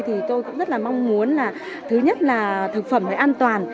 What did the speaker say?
thì tôi cũng rất là mong muốn là thứ nhất là thực phẩm phải an toàn